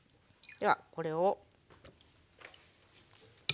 ではこれを。